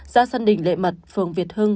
ra sân đỉnh lệ mật phường việt hưng